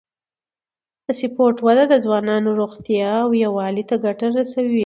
د سپورت وده د ځوانانو روغتیا او یووالي ته ګټه رسوي.